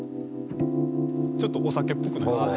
ちょっとお酒っぽくないですか？